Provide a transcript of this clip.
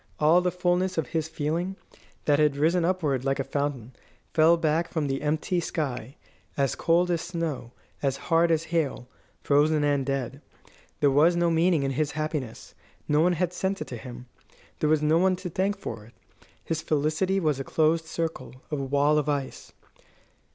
All the fulness of his feeling, that had risen upward like a fountain, fell back from the empty sky, as cold as snow, as hard as hail, frozen and dead. There was no meaning in his happiness. No one had sent it to him. There was no one to thank for it. His felicity was a closed circle, a wall of ice.